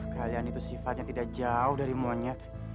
kalian itu sifatnya tidak jauh dari monyet